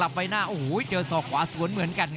รับทราบบรรดาศักดิ์